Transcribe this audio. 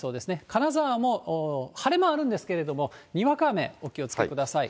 金沢も晴れ間はあるんですけれども、にわか雨、お気をつけください。